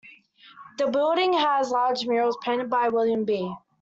The building has large murals painted by William B.